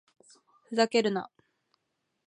ふざけるな